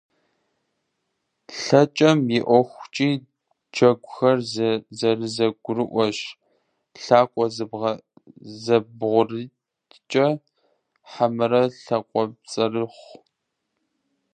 ЛъэкӀэм и ӀуэхукӀи джэгухэр зэрызэгурыӀуэщ: лъакъуэ зэбгъурыткӀэ, хьэмэрэ лъакъуэпцӀэрыхьу.